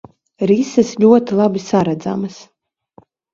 Rises ļoti labi saredzamas.